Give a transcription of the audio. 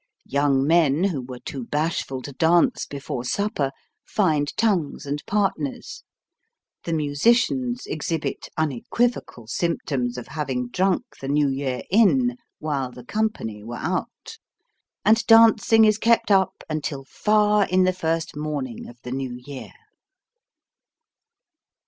Young men who were too bashful to dance before supper, find tongues and partners ; the musicians exhibit unequivocal symptoms of having drunk the new year in, while the company were out ; and dancing is kept up, until far in the first morning of the new year.